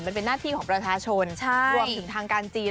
มันเป็นหน้าที่ของประชาชนรวมถึงทางการจีน